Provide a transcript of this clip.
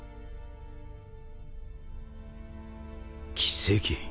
奇跡。